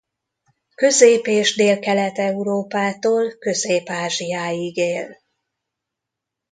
Közép- és Délkelet-Európától Közép-Ázsiáig él.